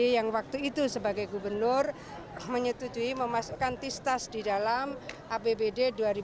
yang waktu itu sebagai gubernur menyetujui memasukkan tistas di dalam apbd dua ribu dua puluh